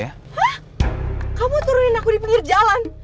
hah kamu turunin aku di pinggir jalan